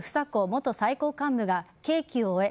元最高幹部が刑期を終え